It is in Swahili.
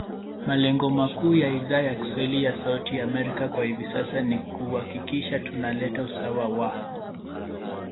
Malengo makuu ya Idhaa ya kiswahili ya Sauti ya Amerika kwa hivi sasa ni kuhakikisha tuna leta usawa wa